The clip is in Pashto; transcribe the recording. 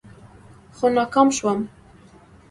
خو ناکام شوم.